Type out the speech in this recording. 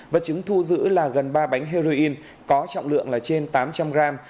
vật chứng thu giữ là gần ba bánh heroin có trọng lượng là trên tám trăm linh gram